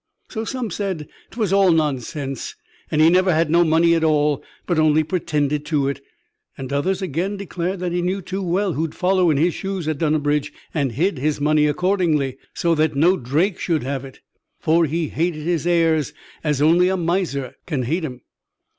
So some said 'twas all nonsense, and he never had no money at all, but only pretended to it; and others again, declared that he knew too well who'd follow in his shoes at Dunnabridge, and hid his money accordingly, so that no Drake should have it. For he hated his heirs as only a miser can hate 'em.